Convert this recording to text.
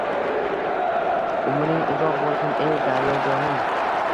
Umring uzoq bo‘lsin, ey daryojonim